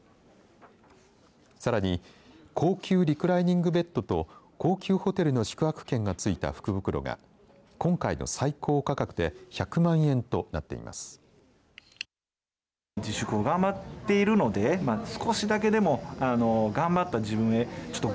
さらに高級リクライニングベッドと高級ホテルの宿泊券がついた福袋が今回の最高価格で１００万円となっています。